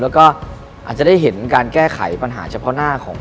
แล้วก็อาจจะได้เห็นการแก้ไขปัญหาเฉพาะหน้าของ